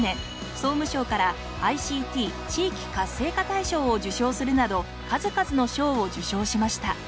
総務省からＩＣＴ地域活性化大賞を受賞するなど数々の賞を受賞しました。